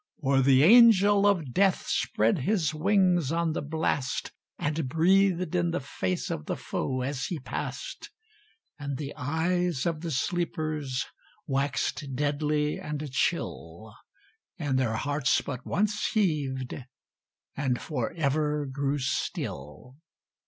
For the Angel of Death spread his wings on the blast, And breathed in the face of the foe as he passed; And the eyes of the sleepers waxed deadly and chill, And their hearts but once heaved, and for ever grew still!